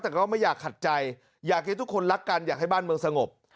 แต่ก็ไม่อยากขัดใจอยากให้ทุกคนรักกันอยากให้บ้านเมืองสงบ